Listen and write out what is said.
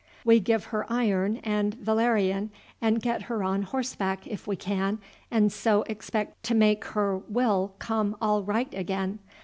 We give her iron and valerian, and get her on horseback, if we can, and so expect to make her will come all right again.